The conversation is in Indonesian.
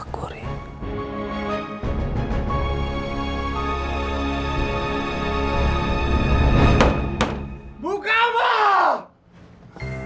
aku pasti bisa membuat kamu bahagia